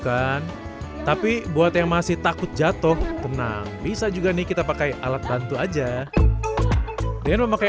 kan tapi buat yang masih takut jatuh tenang bisa juga nih kita pakai alat bantu aja dengan memakai